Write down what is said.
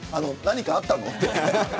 何かあったのって。